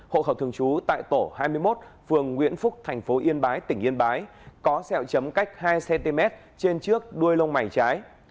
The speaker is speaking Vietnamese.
hộ khẩu thường trú tại tổ hai mươi một phường nguyễn phúc thành phố yên bái tỉnh yên bái có xeo chấm cách hai cm trên trước đuôi lông mày trái